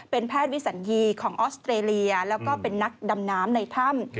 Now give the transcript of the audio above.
เป็นแพทย์วิสัญญีของออสเตรเลียแล้วก็เป็นนักดำน้ำในถ้ำ